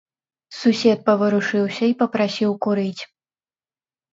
Сусед паварушыўся і папрасіў курыць.